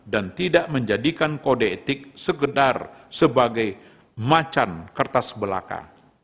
dan tidak menjadikan kode etik segedar sebagai macan kertas belaka